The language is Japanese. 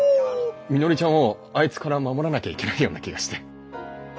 みのりちゃんをあいつから守らなきゃいけないような気がして。